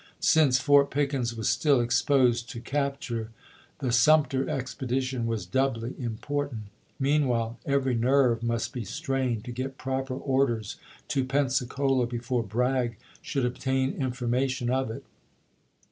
Since Fort Pickens was still exposed to capture the Sumter ex pedition was doubly important. Meanwhile every nerve must be strained to get proper orders to Pensacola before Bragg should obtain information of it.